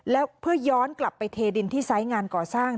แล้วเพื่อย้อนกลับไปเทดินที่ไซส์งานก่อสร้าง